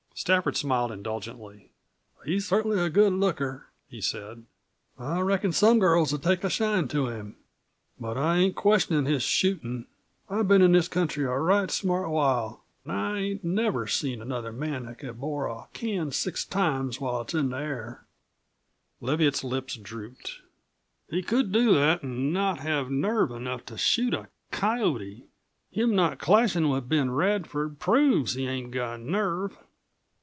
Stafford smiled indulgently. "He's cert'nly a good looker," he said. "I reckon some girls would take a shine to him. But I ain't questionin' his shootin'. I've been in this country a right smart while an' I ain't never seen another man that could bore a can six times while it's in the air." Leviatt's lips drooped. "He could do that an' not have nerve enough to shoot a coyote. Him not clashin' with Ben Radford proves he ain't got nerve."